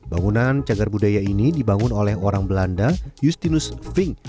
bangunan cagar budaya ini dibangun oleh orang belanda justinus ving